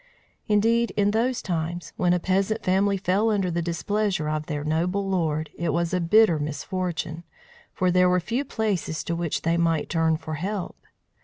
Indeed, in those times, when a peasant family fell under the displeasure of their noble lord, it was a bitter misfortune, for there were few places to which they might turn for help.